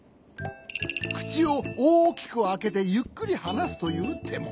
くちをおおきくあけてゆっくりはなすというても。